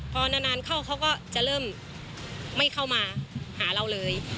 พอนานเข้าเขาก็จะเริ่มไม่เข้ามาหาเราเลย